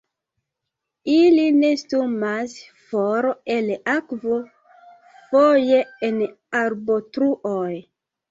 Ili nestumas for el akvo, foje en arbotruoj.